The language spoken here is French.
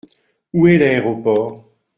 Où est l’aéroport ?